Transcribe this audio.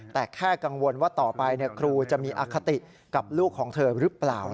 แต่แค่กังวลว่าต่อไปครูจะมีอคติกับลูกของเธอหรือเปล่า